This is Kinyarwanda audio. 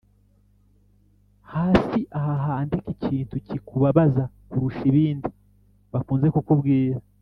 Hasi aha handike ikintu kikubabaza kurusha ibindi bakunze kukubwira